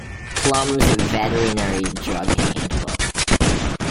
Plumb's veterinary drug handbook.